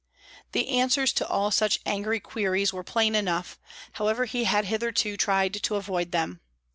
The answers to all such angry queries were plain enough, however he had hitherto tried to avoid them.